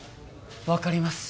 分かります